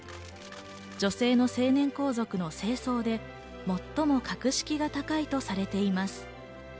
女性の成年皇族の正装で最も格式が高いとされています。